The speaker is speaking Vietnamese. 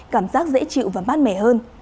cảm giác dễ chịu và mát mưa